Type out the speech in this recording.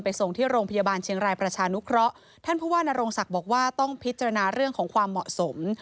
ส่งที่โรงพยาบาลเชียงรายประชานุเคราะห์ท่านผู้ว่านโรงศักดิ์บอกว่าต้องพิจารณาเรื่องของความเหมาะสม